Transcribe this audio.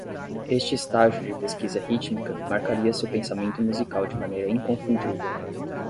Este estágio de pesquisa rítmica marcaria seu pensamento musical de maneira inconfundível.